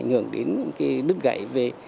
ngưỡng đến những cái đứt gãy